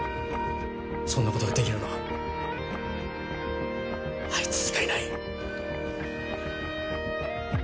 そんなことができるのはあいつしかいない。